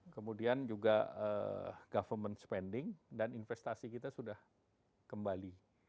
kemudian juga government spending dan investasi kita sudah kembali